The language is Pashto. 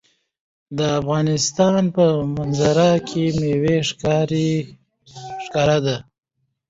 د افغانستان په منظره کې مېوې ښکاره ده.